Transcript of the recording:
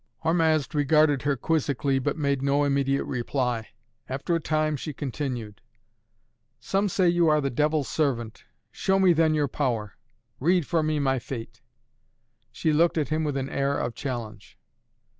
Hormazd regarded her quizzically, but made no immediate reply. After a time she continued. "Some say you are the devil's servant! Show me then your power. Read for me my fate!" She looked at him with an air of challenge.